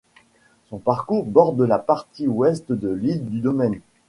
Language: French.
Son parcours borde la partie ouest de l'île du Domaine.